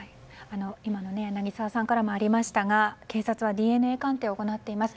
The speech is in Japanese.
今柳澤さんからもありましたが警察はＤＮＡ鑑定を行っています。